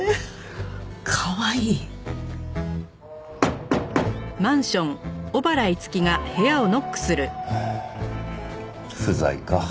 かわいい？はあ不在か。